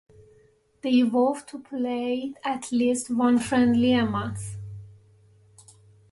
They vowed to play at least one friendly a month.